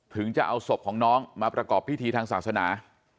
ถึงจะเอาศพของน้องมาประกอบพิธีทางศาสนา